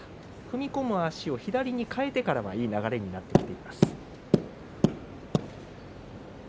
攻め込む足を左に変えてからはいい流れになってきています。